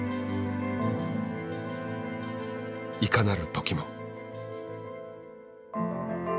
いかなる時も。